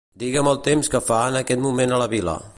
Digue'm el temps que fa en aquest moment a la vila.